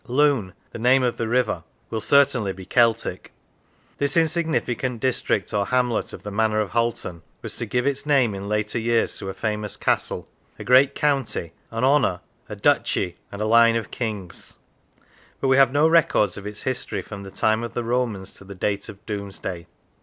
Lune, the name of the river, will certainly be Celtic. This insignificant district or hamlet of the manor of Halton was to give its name in later years to a famous castle, a great County, an Honour, a Duchy, and a line of Kings ; but we have no records of its history from the time of the Romans to the date of Domesday.